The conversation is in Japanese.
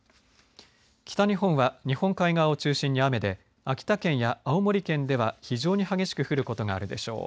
北日本は日本海側を中心に雨で秋田県や青森県では非常に激しく降ることがあるでしょう。